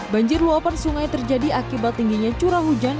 banjir luapan sungai terjadi akibat tingginya curah hujan